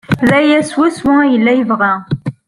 D aya swaswa ay yella yebɣa.